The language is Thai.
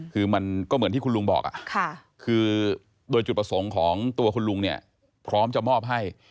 คือมันก็เหมือนที่คุณลุงบอกคือโดยจุดประสงค์ของตัวคุณลุงเนี่ยพร้อมจะมอบให้